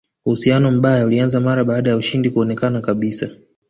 Uhusiano mbaya ulianza mara baada ya ushindi kuonekana kabisa